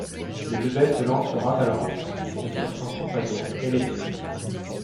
Les deux bêtes se lancent sur Atalante et sur son compagnon, et les tuent.